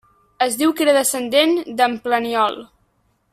Es diu que era descendent d'en Planiol.